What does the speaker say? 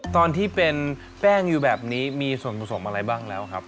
ตอนที่เป็นแป้งอยู่แบบนี้มีส่วนผสมอะไรบ้างแล้วครับ